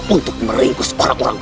untuk meringkus orang orang